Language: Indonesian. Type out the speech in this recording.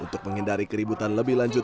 untuk menghindari keributan lebih lanjut